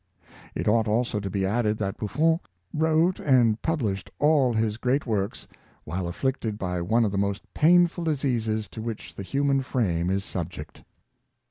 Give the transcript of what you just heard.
It ought also to be added that Buffon wrote and published all his great works while afflicted by one of the most painful dis eases to which the human frame is subject.